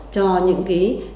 cho những người nghĩ rằng là